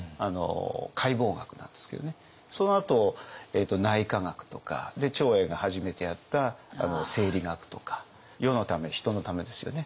そのあと内科学とか長英が初めてやった生理学とか世のため人のためですよね。